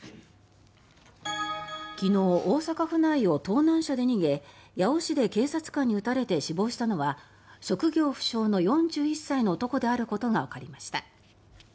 昨日、大阪府内を盗難車で逃げ八尾市で警察官に撃たれて死亡したのは職業不詳の４１歳の男であることがわかりました。